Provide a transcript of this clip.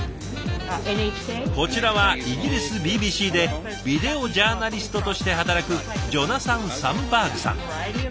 こちらはイギリスＢＢＣでビデオジャーナリストとして働くジョナサン・サムバーグさん。